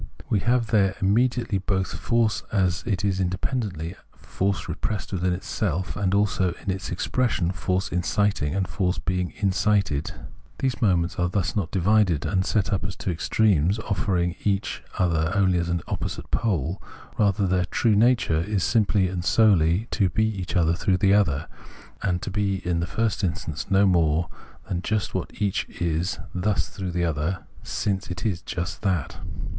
We have there immediately both force as it is independently, force repressed within itself, and also its expression, force inciting and force being incited. These moments are thus not divided and set up as two extremes, offering each other only an opposite pole : rather their true nature is simply and solely to be each through the other, and to be in the first instance no more than just what each is thus through the other, since it is just that.